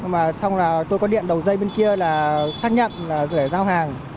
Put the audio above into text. mà xong là tôi có điện đầu dây bên kia là xác nhận là để giao hàng